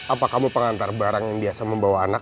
apa kamu pengantar barang yang biasa membawa anak